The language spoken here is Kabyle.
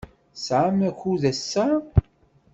Tesɛamt akud ass-a?